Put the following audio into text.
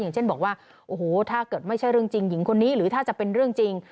อย่างเช่นบอกว่าโอ้โหถ้าเกิดไม่ใช่เรื่องจริงหญิงคนนี้หรือถ้าจะเป็นเรื่องจริง